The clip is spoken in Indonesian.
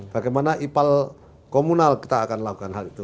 bagaimana ipal komunal kita akan lakukan hal itu